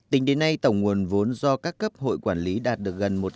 tính đến nay tổng nguồn vốn do các cấp hội quản lý đạt được